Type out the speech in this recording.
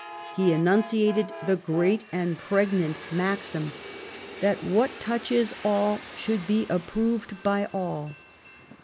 He enunciated the great and pregnant maxim that what touches all should be approved by all.